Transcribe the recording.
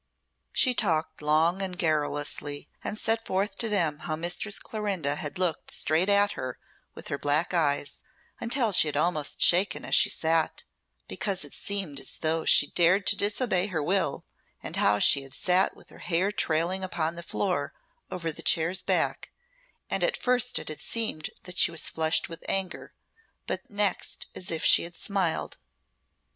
She talked long and garrulously, and set forth to them how Mistress Clorinda had looked straight at her with her black eyes, until she had almost shaken as she sat, because it seemed as though she dared her to disobey her will; and how she had sat with her hair trailing upon the floor over the chair's back, and at first it had seemed that she was flushed with anger, but next as if she had smiled.